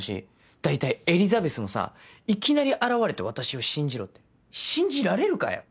大体エリザベスもさいきなり現れて私を信じろって信じられるかよ。